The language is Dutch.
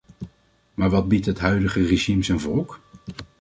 Maar wat biedt het huidige regime zijn volk?